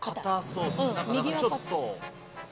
ちょっと。